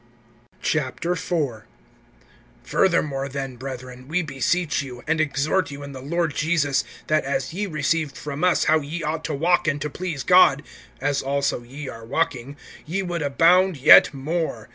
IV. FURTHERMORE then, brethren, we beseech you, and exhort you in the Lord Jesus, that as ye received from us how ye ought to walk and to please God, as also ye are walking, ye would abound yet more.